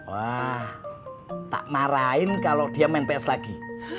wah tak marahin kalau dia main pes lagi